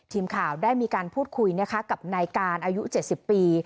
ทีมข่าวได้มีการพูดคุยนะคะกับนายการอายุ๗๐ปี